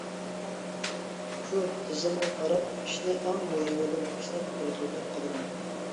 شۇ تىزىمغا قاراپ، ئىشنى ئەڭ مۇھىمىدىن باشلاپ، بىر-بىرلەپ قىلىمەن.